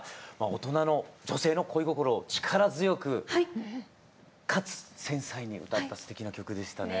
大人の女性の恋心を力強くかつ繊細に歌ったすてきな曲でしたね。